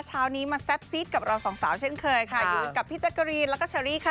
เช้านี้มาแซ่บซีดกับเราสองสาวเช่นเคยค่ะอยู่กับพี่แจ๊กกะรีนแล้วก็เชอรี่ค่ะ